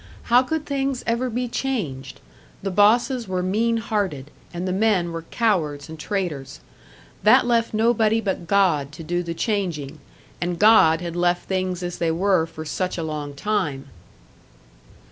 How could things ever be changed? The bosses were mean hearted, and the men were cowards and traitors. That left nobody but God to do the changing and God had left things as they were for such a long time!